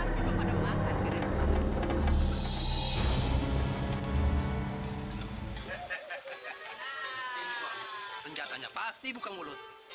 kenapa saya saja yang menangis